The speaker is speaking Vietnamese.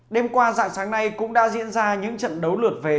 đêm qua dạng sáng nay cũng đã diễn ra những trận đấu lượt về